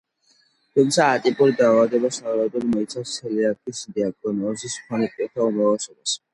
თუმცა, ატიპური დაავადება სავარაუდოდ მოიცავს ცელიაკიის დიაგნოზის მქონე პირთა უმრავლესობას.